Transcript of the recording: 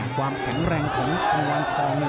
ความแข็งแรงของทางวางคลองนี่